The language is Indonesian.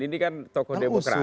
ini kan tokoh demokrasi